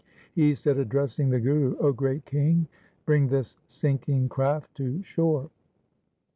He said, addressing the Guru :' O great king, bring this sinking craft to shore.'